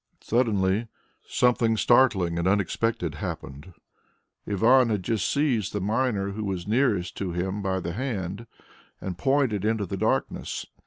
Suddenly something startling and unexpected happened. Ivan had just seized the miner who was nearest to him by the hand, and pointed into the darkness.